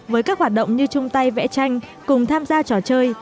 với các hoạt động như chung tay vẽ tranh cùng tham gia trò chơi